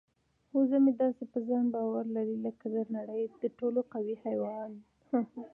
وزه مې داسې په ځان باور لري لکه د نړۍ تر ټولو قوي حیوان.